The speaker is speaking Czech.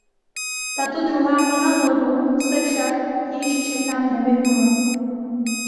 Tato druhá vlna moru se však již Čechám nevyhnula.